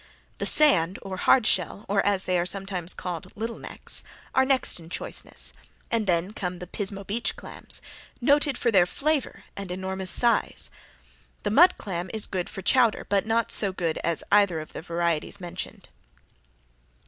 The sand, or hard shell, or as they are sometimes called little necks, are next in choiceness, and then come the Pismo beach clams, noted for their flavor and enormous size. The mud clam is good for chowder but not so good as either of the other varieties mentioned.